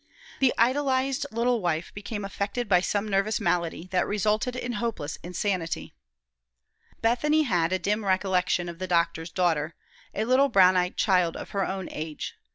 The idolized little wife became affected by some nervous malady that resulted in hopeless insanity. Bethany had a dim recollection of the doctor's daughter, a little brown eyed child of her own age.